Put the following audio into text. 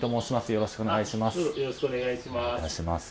よろしくお願いします。